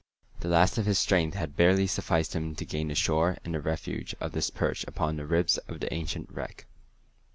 The last of his strength had barely sufficed him to gain the shore and the refuge of this perch upon the ribs of the ancient wreck.